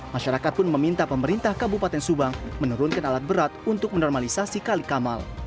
masyarakat pun meminta pemerintah kabupaten subang menurunkan alat berat untuk menormalisasi kali kamal